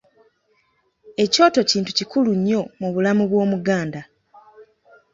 Ekyoto kintu kikulu nnyo mu bulamu bw’Omuganda.